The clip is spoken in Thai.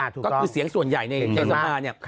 ก็คือเสียงส่วนใหญ่ในการสัมภาษณ์เนี่ย